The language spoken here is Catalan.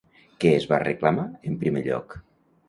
Què es va reclamar en primer lloc?